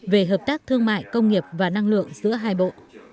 về hợp tác thương mại công nghiệp và năng lượng giữa hai bộ